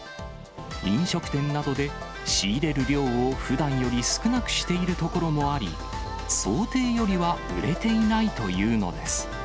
飲食店などで仕入れる量をふだんより少なくしているところもあり、想定よりは売れていないというのです。